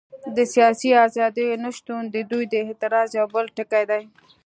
د سیاسي ازادیو نه شتون د دوی د اعتراض یو بل ټکی دی.